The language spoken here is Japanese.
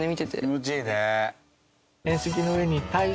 気持ちいいね。